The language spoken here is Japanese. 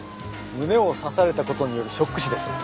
胸を刺された事によるショック死です。